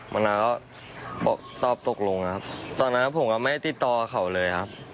มะนาวบอกตอบตกลงตอนนั้นผมก็ไม่ได้ติดต่อเขาเลย